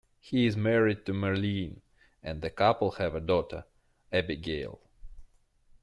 He is married to Marlene and the couple have a daughter, Abigail.